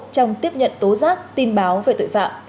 trong tiếp nhận tố giác tin báo về tội phạm